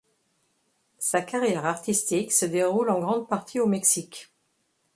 Sa carrière artistique se déroule en grande partie au Mexique.